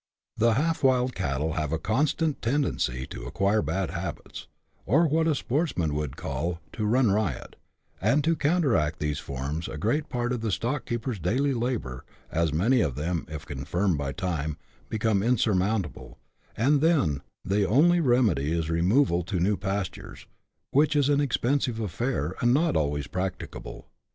The half wild cattle have a constant tendency to acquire bad habits, or what a sportsman would call to run riot, and to coun teract these forms a great part of the stock keeper's daily labour, as any of them, if confirmed by time, become insurmountable, and then the only remedy is removal to new pastures, which is an expensive affair, and not always practicable.